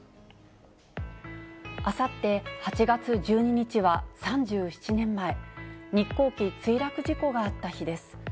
あさって８月１２日は、３７年前、日航機墜落事故があった日です。